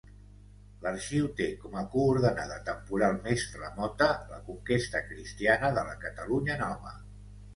L'arxiu té com a coordenada temporal més remota la conquesta cristiana de la Catalunya Nova.